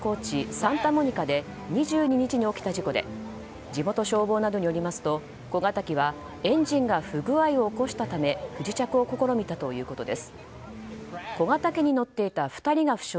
サンタモニカで２２日に起きた事故で地元消防などによりますと小型機はエンジンが不具合を起こしたため不時着を試みたということです。